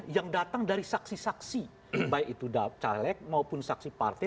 yang datang dari saksi saksi baik itu caleg maupun saksi partai